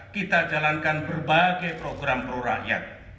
kita jalankan berbagai program prorakyat